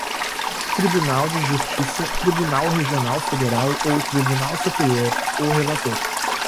tribunal de justiça, tribunal regional federal ou tribunal superior, o relator: